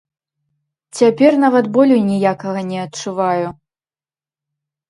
Цяпер нават болю ніякага не адчуваю!